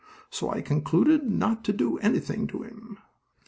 So I concluded not to do anything to him."